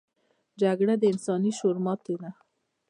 جګړه د انساني شعور ماتې ده